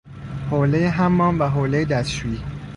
حوله حمام و حوله دستشویی